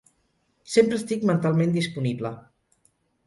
Sempre estic mentalment disponible.